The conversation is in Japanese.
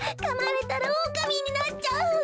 かまれたらおおかみになっちゃう。